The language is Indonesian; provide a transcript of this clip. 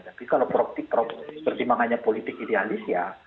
tapi kalau pertimbangannya politik idealis ya